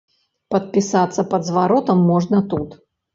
Падпісацца пад зваротам можна тут.